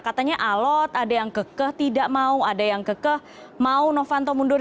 katanya alot ada yang kekeh tidak mau ada yang kekeh mau novanto mundur